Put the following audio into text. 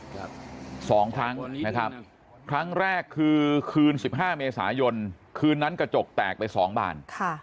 ๒ครั้งนะครับครั้งแรกคือคืน๑๕เมษายนคืนนั้นกระจกแตกไป๒บาน